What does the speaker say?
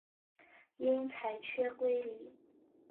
因裁缺归里。